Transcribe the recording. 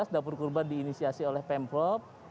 dua ribu sembilan belas dapur kurban diinisiasi oleh pemprov